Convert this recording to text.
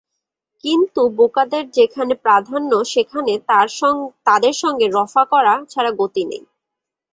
কিন্তু বোকাদের যেখানে প্রধান্য সেখানে তাদের সঙ্গে রফা করা ছাড়া গতি নেই।